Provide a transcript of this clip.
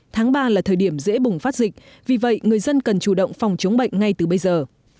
tháng ba là thời điểm dễ bùng phát dịch vì vậy người dân cần chủ động phòng chống bệnh ngay từ bây giờ